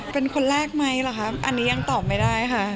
เป็นคนแรกไหมล่ะครับอันนี้ยังตอบไม่ได้ค่ะ